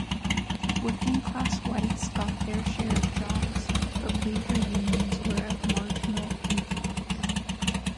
Working-class whites got their share of jobs, but labor unions were of marginal influence.